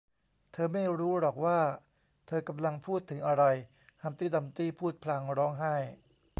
เธอไม่รู้หรอกว่าเธอกำลังพูดถึงอะไร ฮัมพ์ตี้ดัมพ์ตี้พูดพลางร้องไห้